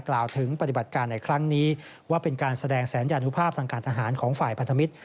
กล่าวถึงปฏิบัติการในครั้งนี้ว่าเป็นการแสดงสัญญานุภาพทางการทหารของฝ่ายพันธมิตร